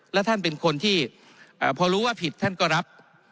และท่านเป็นคนที่พอรู้ว่าผิดท่านก็รับ